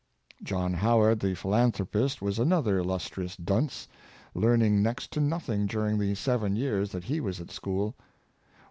John Howard, the philanthropist, was another illustrious dunce, learning next to nothing during the seven years that he was at school.